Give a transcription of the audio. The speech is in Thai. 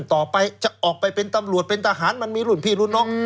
ต่อไปจะออกไปเป็นตำรวจเป็นทหารมันมีรุ่นพี่รุ่นน้อง